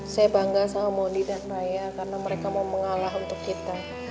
saya bangga sama mondi dan raya karena mereka mau mengalah untuk kita